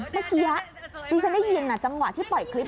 เมื่อกี้ดิฉันได้ยินจังหวะที่ปล่อยคลิป